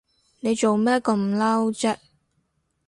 你做咩咁嬲啫？